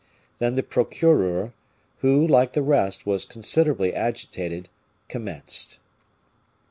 Then the procureur, who, like the rest, was considerably agitated, commenced.